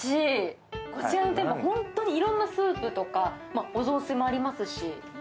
こちらは本当に、いろんなスープとか、お雑炊もありますし。